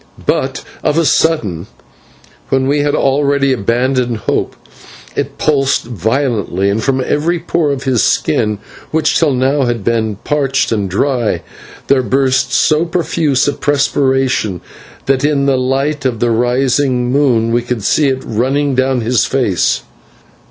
But of a sudden, when we had already abandoned hope, it pulsed violently, and from every pore of his skin, which till now had been parched and dry, there burst so profuse a perspiration that in the light of the rising moon we could see it running down his face.